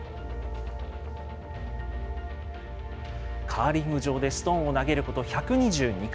カーリング場でストーンを投げること１２２回。